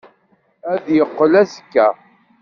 Ad d-yeqqel azekka.